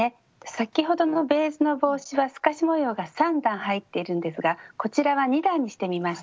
先ほどのベージュの帽子は透かし模様が３段入っているんですがこちらは２段にしてみました。